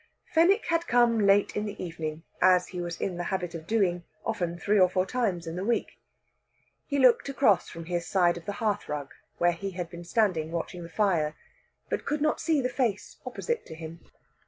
Fenwick had come in late in the evening, as he was in the habit of doing, often three or four times in the week. He looked across from his side of the hearthrug, where he had been standing watching the fire, but could not see the face opposite to him.